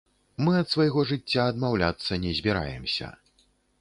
Мы ад свайго жыцця адмаўляцца не збіраемся.